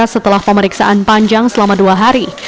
setelah pemeriksaan panjang selama dua hari